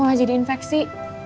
takutnya mau jadi infeksi